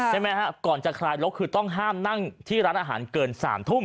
ใช่ไหมฮะก่อนจะคลายลกคือต้องห้ามนั่งที่ร้านอาหารเกิน๓ทุ่ม